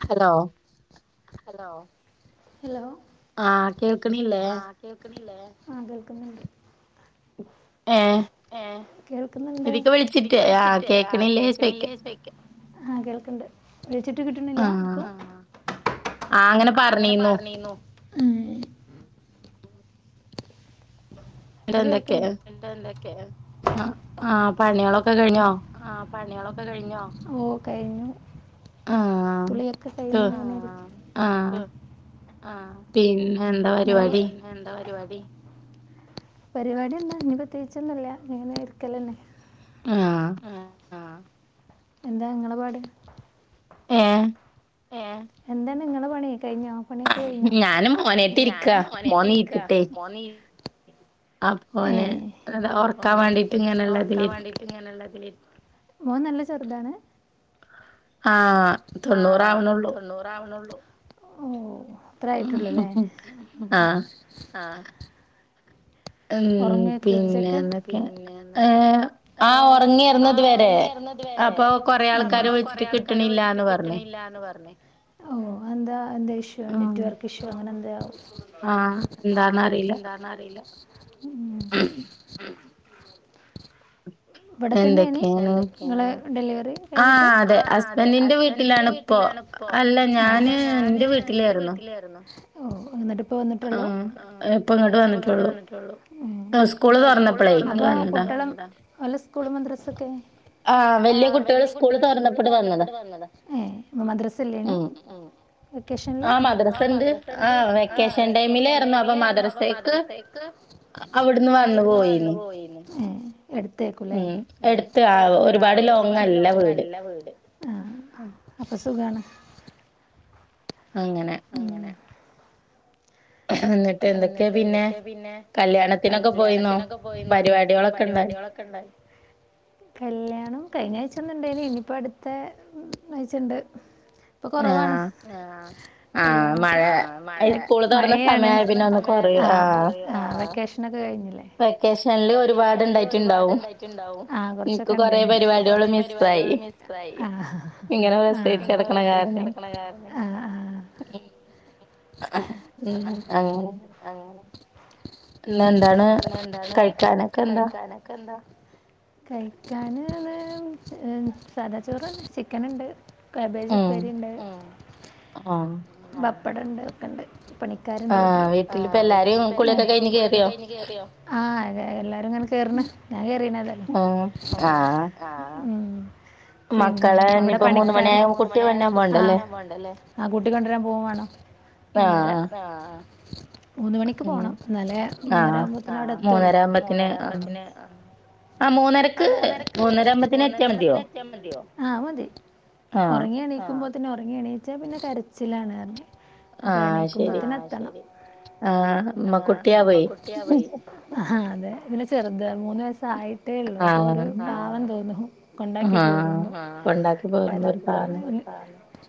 Hello hello hello ആഹ് കേൾക്കണില്ലേ.. ആഹ കേൾക്ക്ന്ന്ണ്ട്... ഏ കേൾക്കുന്നുണ്ട് ഇതിക് വിളിച്ചിട്ട് ആ് കേക്കണില്ലേ ചോയ്ക്ക.. ആഹ് കേൾക്കണ്ട് വിളിച്ചിട്ട് കിട്ട്ണില്ലാ കൊ.. ആ അങ്ങനെ പറഞ്ഞീന്നു.. ഇ ന്നട്ട് എന്തൊക്കെ ആഹ പണികളൊക്കെ കഴിഞ്ഞോ.. പണികളൊക്കെ കഴിഞ്ഞോ ഓ കഴിഞ്ഞു.. കുളിയൊക്കെ കൈഞ് ആ ഇങ്ങനെ ഇരി ആഹ ആ.. ഇങ്ങളെ പിന്നെ എന്താ പരിപാടി.. പരിപാടി എന്താ ഇനി പ്രത്യേകിച്ചൊന്നുല്ല ഇങ്ങന ഇരിക്കലന്നെ... ആ എന്താ നിങ്ങളെ പാട് ഏ എന്താണ് നിങ്ങള് പണിയ കഴിഞ്ഞോ പണക്ക കഴിഞ്ഞോ ഞാനൻ മോന ഇരിക്ക മോന ആ പോനെ അ ഓർക്കാൻ വേണ്ടീട്ട് ഇങ്ങനെയള്ളതി ഓൻ നല്ല ചെറുതാണ് ആഹ് തൊണ്ണൂറാവണള്ളൂ ഓ അത്രായിട്ടുള്ളൂല്ലേ ഉം പിന്നെന്തൊക്കെ ഏർ ആ ഉറങ്ങിയിറതു വരെ ത് വരെ അപ്പൊ കൊറെേ ആൾക്കാര് വിളിച്ചിട്ട് കിട്ടണില്ലന്ന് പറഞ്ഞേ ഓ എന്താ എന്താ ഇഷ്യൂ നെറ്റ്വർക്ക് ഇഷ്യൂ അങ്ങനെ എന്താ ആഹ എന്താണ അറിയില ആഹ ഇവിടെ തന്നെയ നി ഡെലിവറി കഴിഞ്ഞിട്ട്ബന്റെ വീട്ട അല്ല ഞ എന്റെ വീട്ടില ആഹ എപ്പ ഇങ്ങോട്ട് വന്നിട്ടുള്ളൂ ആ സ്കൂള് തുറന്നപ്പോളേ ഇ വന്നതാ കേരളം അല്ല സ്കൂള മദ്രസൊക്കെ ആ വല്ിയ കുട്ടികൾ സ്കൂള് തുറന്നപ്പോട്ട വന്നത് മദ്രസല്ലേ വെക്ക ആ മദ്രസ ഉണ്ട് ആ വെക്കേഷൻ ടൈമില ആരുന്നുോ അപ്പൊ മദ്രസക്ക് അവിടന്ന് വന്നു പോയിരുന്നു ഉ എടുത്ത ആ ഒരുപാട് ലോങ്ങല്ല വീട് അപ്പൊ സുഖമാണ് അങ്ങനെ എന്നിട്ട് എന്തൊക്കെയാ പിന്നെ കല്യാണത്തിനൊക്കെ പോയിന്നോ പരിപാടികളൊക്കെ ഇണ്ടായി കല്യാണം കഴിഞ്ഞ ആഴ്ച ഒന്നണ്ടായിനനി ഇപ്പോൾ അടുത്ത വച്ചിട്ടുണ്ട് ഇപ്പൊ കുറവാണ് കല്യാണക്കെ മഴയാണ് ക്കെ കഴഞ്ഞ വപ ഇൻക് കൊറേ പരുവടിയാൽ മിസ്സായി [unintelligible] ആ ആ മ് അങ്ങനെ പിന്നെന്താണ് കഴിക്കാനൊക്കെ എന്താ കഴിക്കാന് സാധാ ചോറെന്നെ ചിക്കന് ണ്ട് കാബേജ് ഉപ്പേരി ണ്ട് പപ്പടണ്ട് ഒക്കെ ണ്ട് പണിക്കാരുണ്ട് വീട്ട് ട്ടില് ആ വീട്ടിലിപ്പോ എല്ലാരും കുളിയൊക്കെ കഴിഞ്ഞ് കേറിയോ ആ എല്ലാരും ങ്ങനെ കേർന് ഞാൻ കേ [unintelligible] പിന്നെ അവിടെ പണിക്കാര ആ കൂട്ടി കൊണ്ടരാൻ പോകും വാണം മൂന്നര ആ ആ മൂന്ന് മണിക്ക് പോണം ന്നാലേ മൂന്നര ആകുമ്പോത്തിന് അവടെ എത്തുള്ളൂ മൂന്നരാകുമ്പോത്തിന് ആ മൂന്നരക്ക് മൂന്നരാകുമ്പോത്തിന് എത്യ മതിയോ ആ അത് മതി ഒറങ്ങി എണീക്കുമ്പോത്തിന് ഒറങ്ങി എണീച്ചാൽ പിന്നെ കരച്ചിലാണ് ന്ന് അപ്പൊ എണീക്കുമ്പോത്ത്ന് എത്തണം ആ മ്മ കുട്ടിയാവേ ആ അതെ പിന്നെ ചെറുത് മൂന്ന് വയസ്സായി ട്ടേള്ളോ അപ്പൊ ഒരു പാവം തോന്നും കൊണ്ടാക്കി പോരുമ്പം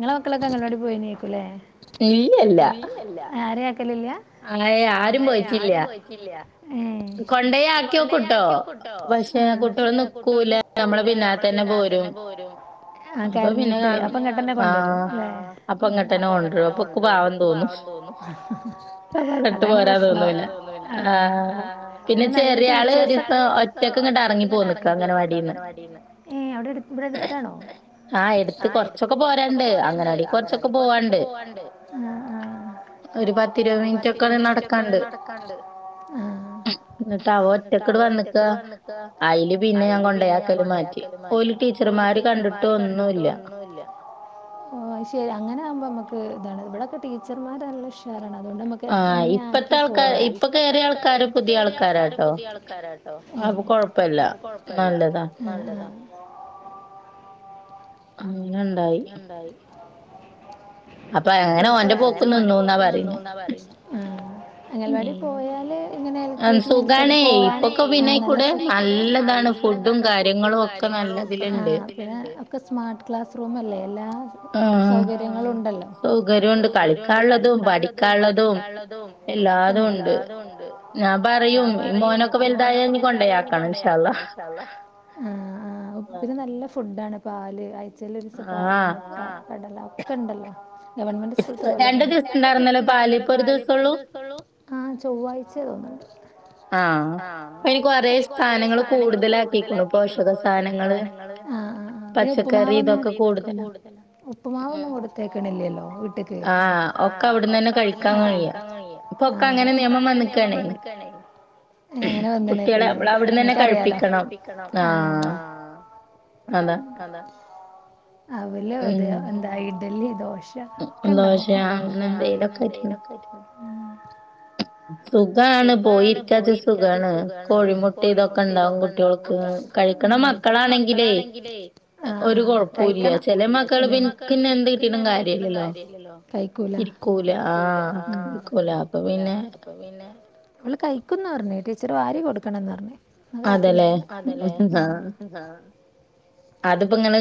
ങ്ങളെ മക്കളൊക്കെ അംഗലവാടി പോയിനോ ല്ല ല്ല ക്കലില്ല ആ ഏ ആരും പോയിറ്റില്ല കൊണ്ടേയാക്കിയോ കുട്ടോ പക്ഷെ കുട്ട്യോള് നിക്കൂല നമ്മളെ പിന്നാലെ തെന്നെ ന്നാ തന്നെ പോരും ആ കരഞ്ഞിട്ട് അപ്പങ്ങട്ടന്നെ കൊണ്ടരും. അതാണ് പ്രശ്നോ ആ ആ പിന്നെ നല്ല ടീച്ചേഴ്സ് പിന്നെ ചെറിയാൾ ഒരിസം ഒറ്റക്ക് ഇങ്ങട്ട് ഇറങ്ങി പോന്നക്ക അങ്ങനവാടിന്ന്. ടെ അടുത്താണോ? ആ എടുത്ത് കൊറച്ചൊക്കെ പോരണ്ട് അങ്ങനൊടി കൊറച്ചൊക്കെ പോവാണ്ട് ഒരുപാ ഒരു പത്തിരുപത് മിനിറ്റ് ഒക്കെത് നടക്കാണ്ട്. ന്നിട്ട അവ ഒറ്റക്ക്ട് വന്നക്ക. അയില് പിന്നെ ഞാൻ കൊണ്ടയാക്കല് മാറ്റി. ഓല്ക് ഓല് ടീച്ചർമാര് കണ്ടിട്ടോന്നുല്ല ഓ അത് ശെരി, അങ്ങനെ ആക്പോ നമുക്ക് ഇതാണ്. ഇവിടെക്കെ ടീച്ചർമാര് നല്ല ഉഷാരാണ് അതുകൊണ്ട് എങ്ങനെ ആക്കി പോരാ ഇപ്പത്തെ ആ ഇപ്പൊകേറിയ ആൾക്കാര് പുതിയ ആൾക്കാരോട്ടോ ആകോഴപ്പില്ല നല്ലതാ. അങ്ങനെണ്ടായി അപ്പൊ അയ അങ്ങനെ ഓന്റെ പോക്ക്ന്നിന്നൂന്നാ പറ ന്നുന്ന പറയ് [unintelligible] അഗൽവാടി പോയാല് [unintelligible] ഇങ്ങളൊക്കെന്നെ നല്ല ഇതിലുണ്ട് സ്മാർട്ട്ക്ലാസ്റൂമല്ലേ എല്ലാ ആഹ സൗകര്യണ്ട് കളിക്കാള്ളതു ക്കാനുള്ളതും പഠിക്കാനുള്ളതും ഒക്കേണ്ട് എല്ലാതും ഉണ്ട് ഞാൻ പറയും മോനൊക്കെ വലുതായ കൊണ്ടയാക്കണം ഇൻഷാ ള്ളാ. ആഹ് പിന്നേ നല്ല ഫുഡാണ് പാല് അയിച്ചേല് ഒരുസ പാല് മുട്ട കടല ഒക്കെ ഉണ്ടല്ലോ ഗവൺമെന്റ് സ്കൂളത്തെ പോലെ ത രണ്ടു ദിവസം ഇണ്ടായിരുന്നല്ലോ പാലി ഇപ്പൊ ഒരു ദിവസള്ളൂ ആ ചൊവ്വാഴ്ച തോന്ന ആഹ പ്പ ഈ കൊറെ സാനങ്ങൾ കൂടുതലലാക്കിക്കുണു. പോഷക സാധനങ്ങൾ, ആ ആ ആ പിന്നെ ഉപ്പുമാവൊന്നും ഉപ്പുമാവൊന്നും കൊടുത്തേക്കണില്ലല്ലോ വീട്ട്ക്ക് ആഹ ഒക്കെ അവിടന്ന് തന്നെ കഴിക്കാതുടങ്ങി പോ ഒക്കെ അങ്ങനെ നിയമം വന്നക്കാണ്. അങ്ങനെ വന്ന ണേക്കല്ലേ കുട്ടിയളെനമ്മളെ ന്നെ ക്കഴിപ്പികണം നിനക്ക്റിയാലോ ആഹ. അതെ അവല് ഒ [unintelligible] ഇഡലി ദോശ ഒക്കണ്ടാകും ദോശ സുഖാണ് പോയിരിക്കാച്ച സുഖാണ്. കോഴിമുട്ട ഇതൊക്കെ ഇണ്ടാവും കുട്ടോൾക്ക്. [unintelligible] ക്ക്നന്ത് കിട്ടീട്ടും കാര്യല്ലല്ലോ? കഴിക്കൂല, ഇരിക്കൂല, കക്കൂല, ആഹ പിന്നെ അവള് കഴിക്കുന്ന് പറഞ്ഞേ ടീച്ചർ വാരി കൊടുക്കണന്ന് പറഞ്ഞേ അത് കഴിക്കുന്ന പറഞ്ഞു അതല്ലേ ആ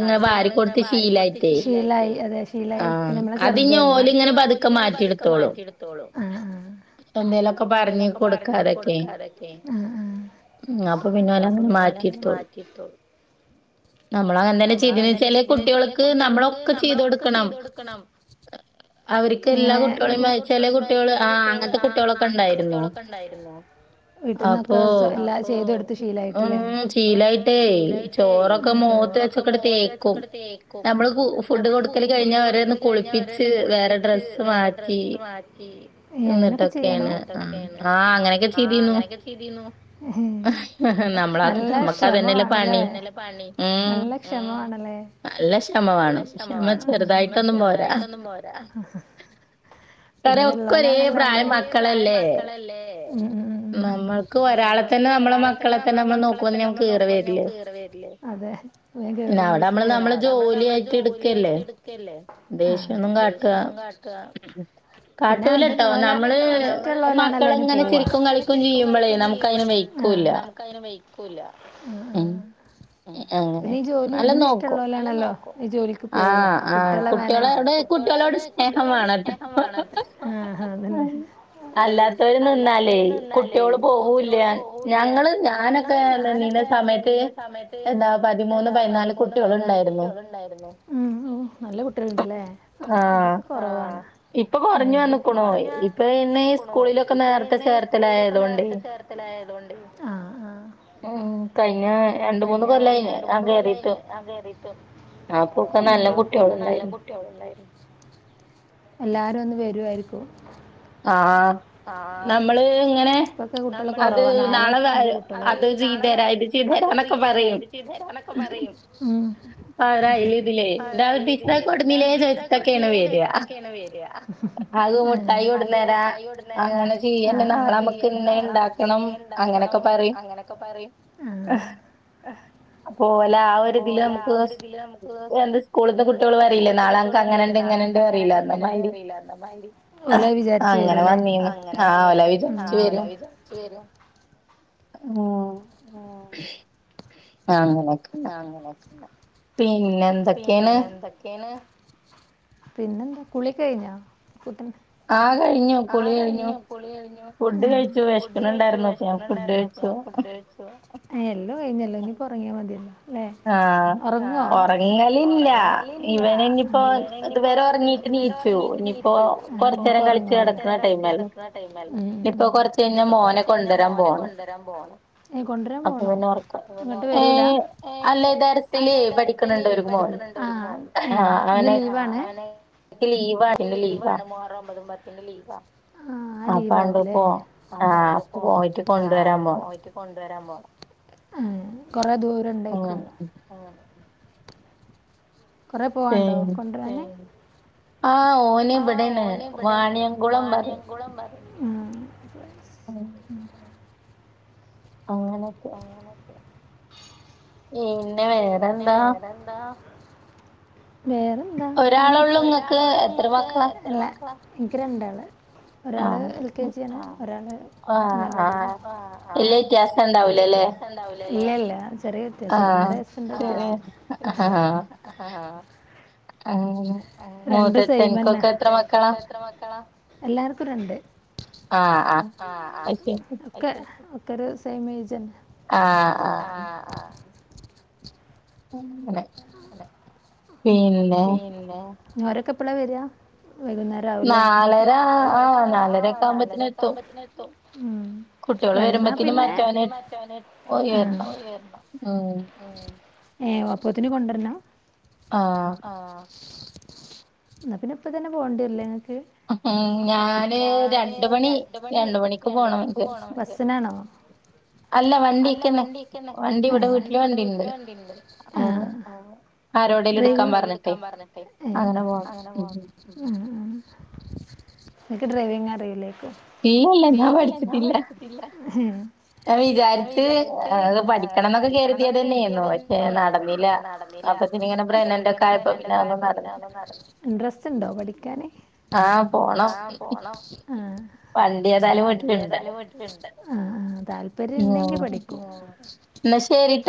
അതിപ്പോ ഇങ്ങനെ വാരിക്കൊടത്ത്ശീലായി. പിന്നെ ഓല ഇങ്ങനെ പതുക്കെ മാറ്റിെടുത്തോളു എന്തേലുമൊക്കെ പറഞ്ഞ് കൊടുക്കാതൊക്കെ ആ ആ ഉം അപ്പൊ പിന്നെ ഓന അങ്ങനെ മാറ്റിടുത്തോളും. [inaudible] നമ്മള അങ്ങനന്തന്നെ ചെയ്തന് ചേലേ കുട്ടിൾക്ക് നമ്മളൊക്കെ ചെയ്ത കൊടുക്കണം. അവർക്ക് എല്ലാ കുട്ടികളും ചെല കുട്ടികൾ ആ അങ്ങനത്തെ കുട്ടികളൊക്കെ ഉണ്ടായിരുന്നു. അപ്പൊ തോ ഒന്നു ചീലായിട്ടേ ചോറൊക്ക് ക്ക് മോത്ത് വെച്ചക്ക തേക്കും നമ്മള് ഫുഡ് കൊടുക്കല് കഴിഞ്ഞൽ അവരെ കുളിപ്പിച്ച് കുളിപ്പിച്ച് വേറെ ഡ്രെസ് മാറ്റി ഏ അങ്ങനൊക്ക ചെയ്യണം ആഹ് അങ്ങനെയൊക്കെ ചെയ്തിന്നു. നല്ല ഷമവാണലല്ലേ, നമ്മക്ക് അതന്നല്ലേ പണി നല്ല ക്ഷമവേണല്ലേ നല്ല ക്ഷമവേണം ക്ഷമ ചെറുതായിട്ടൊന്നും പോര. [unintelligible] പിന്നെ നമുക്ക് ഒരേ പ്രായം മക്കളല്ലേ നമ്മക്ക് ഒരാളെ തന്നെ നമ്മള് മക്കളെ തന്നെ നമ്മള് നോക്കുമ്പോത്തിന് ഞമ്മക്ക് ഈറ വരില്ലേ അതെ വേഗം കേറും ദേഷ്യം കേറും അവടെ നമ്മള് നമ്മടെ ജോലിയായിട്ട് ഇട്ക്കല്ലേ അതെ [unintelligible] പിന്നെ അത് ഇഷ്ടള്ളോലാണല്ലോ അയ് ന് പോവ ആ നമുക്കയ്ന് വെയ്ക്കുല്ല പിന്നെ ഈ ജോലി ഇതിന് ഇഷ്ടള്ളോലാണല്ലോ ഈ ജോലിക്ക് പോവാ കുട്ടികളെ മാനേജ് അവിടെ കുട്ടികളോട് സ്നേഹം വാണം ആ ആ അതെന്നെ അല്ലാത്തോര് ഇതെന്ന് പറഞ്ഞാലേ കുട്ടിയൊള് പോകൂല്ല ഞങ്ങള് ഞാനക്കെ ഇതിന്റെ സമയത്ത് എന്താ പതിമൂന്ന് പതിനാല് കുട്ടികൾ ഉണ്ടായിരുന്നു നല്ല കുട്ടികളുണ്ടല്ലേ ഇവിടൊക്കെ കുറവാ ഏഹ് ഇപ്പൊ കൊറഞ്ഞ് വന്ന്കുണു. ഇപ്പ പിന്നെ ഈ സ്‌കൂളിലൊക്കെ നേർത്ത ചേർത്ത ലാ ആഹ് ആഹ് മ് കഴിഞ്ഞ രണ്ട് പിന്ന രണ്ട് മൂന്ന് കൊല്ലമായി ഞാൻ കേറിട്ട് ആപ്പൊക്കെ നല്ല കുട്ടികളുണ്ടായിരുന്നു എല്ലാരും അന്ന് വരുവായിരിക്കും ആഹ് നമ്മള് ഇങ്ങനെ അത് നാളെ അത് ചെയ്ത് തരാ ഇത് ചെയ്ത അത് ചെയ്തരാ ഇത് ചെയ്തുതരാന്നൊക്കെ പറയും. ഇതിലേ [unintelligible] കൊടുന്നില്ലേ മുട്ടായി, കൊടുന്നിലെ, ചോയിച്ചിട്ടൊക്കെയാണ്, വരിക അത്, മുട്ടായി, കൊടുന്നേരം. അങ്ങനെ, ചെയ്യല്ലേ നാളെമ്മക്ക്, ഇങ്ങനെ ഉണ്ടാക്കണം, അങ്ങനെയൊക്കെ പറയും. അപ്പോ, ഓല്, ആ, ഒരുരിതില്, നമ്മ നാളെ, എന്ത്, സ്കൂളിലത്തെ, കുട്ടികൾ പറയില്ലേ, നാളെ. മക്കള്, പറയില്ലേ, നാളെ, ഞങ്ങക്ക്, അങ്ങനെണ്ട്, ഇങ്ങനെണ്ട്, പറയില്ലേ, ഓല്, വിചാരിച്ചു, വരുല്ല. ല ഇത് വര [unintelligible] ആ മം, ആ കുഴപ്പമില്ല. പിന്നെ, എന്തൊക്കെയാണ് പിന്നെന്താ, കുളി, കഴിഞ്ഞാ ആ, കഴിഞ്ഞു, കുളി, കഴിഞ്ഞു. ഫുഡ്, കഴിച്ചു വിഷക്കിണണ്ടായിരുന്നു, ഞാൻ ഫുഡ്, കഴിച്ചു. എല്ലാം, കഴിഞ്ഞല്ലോ, ഇനിയിപ്പോ ഉറങ്ങിയാ, മതിയല്ലോ. അല്ലേ, ഉറങ്ങോ, ഉറങ്ങയില്ലാ, ഇവൻ, ഇനിയിപ്പോ. ഇത്, വരെ, ഉറങ്ങിയിട്ടേണീച്ചു, ഇനീപ്പോ, ഉറങ്ങൂലാ, കൊറച്ച് നേരം, കളിച്ചുനടക്കണ, ടൈമല്ലേ. ഇപ്പൊ, കൊറച്ച്, കഴിഞ്ഞ മോനെ, കൊണ്ടുവരാൻ, പോണം ഏയ്‌, കൊണ്ടുവരാൻ, പോണോ ഇൻങ്ങോട്ട്, വരൂല. ഏ, അലൈ, തരത്തില്, പടിക്കുനൊണ്ട്, ഒരു മോന്, ആ ഏ, ഇന്ന് ലീവാണ് ഇന്ന് ലീവാടി ഇന്ന് ലീവാ ഒൻപതും, പത്തിനും ലീവാ. അ, പണ്ട്, പോ, ആ, അപ്പൊ പോയിട്ട്, കൊണ്ടുവരാൻ പോണം. കൊണ്ട്, വരാൻ, പോണം, കൊറേ ദൂരം, ഉണ്ടയ് ക്കും കൊറെ, പോവാണ്ടോ, കൊണ്ടുരാന്. ആ, ഓന്, ഇവിടാണ് വാണിയംകുളം, പറഞ്ഞ്. ഉം [unintelligible] അങ്ങനൊക്കെ. [inaudible] പിന്നെ, വേറെന്താ. വേറെന്താ, പിന്നെ, ഒരാളൊള്ളൂ, നിങ്ങക്ക്. അല്ല അനക് രണ്ടു ആൾ ഒരാള്, എൽ, കെ, ജിയാണ് ഒരാള്, അംഗൻ, വാടിയില്. വല്ല്യ വിത്യാസം, ഉണ്ടാവില്ലല്ലേ. ചെറിയ, വിത്യാസൊള്ളു ഒന്നേരവയസ്സിന്റെ, വിത്യാസം. രണ്ടും സെയിമെന്നെ മൂത്തച്ചൻക്കൊക്കെ എത്ര മക്കളാ എല്ലാർക്കും രണ്ട് ആ ആ ഒക്കെ ഒക്കെ ഒരു സെയിം എയ്ജെന്നെ ആ ആ ങ്ങനെ പിന്നെ ഓരൊക്കെപ്പളാ വെരാ വൈകുന്നേരം ആവുംല്ലേ നാലര ആ നാലരൊക്കെ ആവുമ്പോത്തിനെത്തും ഉം വന്നാ പിന്നെ [unintelligible] ആ ഏ അപ്പോത്തിന് കൊണ്ടര്ണം ആ ന്നാ പിന്നെ ഇപ്പെത്തെന്നെ പോണ്ടി വെരില്ലേ ങ്ങക്ക് ഉം ഞാന് രണ്ട് മണി രണ്ട് മണിക്ക് പോണം ബസിനാണോ അല്ല വണ്ടിക്കെന്നെ വണ്ടി ഇവിടെ വീട്ടില് വണ്ടിണ്ട് ആ ഡ്രൈവിങ് ആരേലും എടുക്കാൻ പറഞ്ഞിട്ടെ അങ്ങനെ പോ നിനക്ക് ഡ്രൈവിങ് അറിയില്ലേ ഇല്ലല്ല ഞാൻ പഠിച്ചിട്ടില്ല ഞാൻ വിചാരിച്ചത് പഠിക്കണംന്നൊക്കെ കരുതിയതെന്നെര്ന്നു പക്ഷേ നടന്നില്ല അപ്പ ഇങ്ങനെ പ്രെഗ്നന്റ് ഒക്കെ ആയപ്പോ പിന്നെ ഇൻട്രസ്റ്റ് ണ്ടോ പഠിക്കാന് ആ പോണം വണ്ടി ഏതാലും വീട്ടില്ണ്ടല്ലോ ആ ആ താല്പര്യംണ്ടെങ്കി പഠിക്കും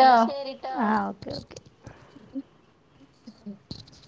ന്നാ ശെരി ട്ടോ ഓക്കെ ക്കെ ഓക്കെ ഓക്ക